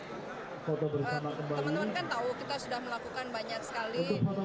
teman teman kan tahu kita sudah melakukan banyak sekali